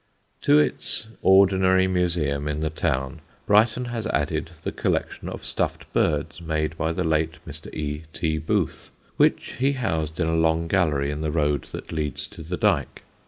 To its ordinary museum in the town Brighton has added the collection of stuffed birds made by the late Mr. E. T. Booth, which he housed in a long gallery in the road that leads to the Dyke.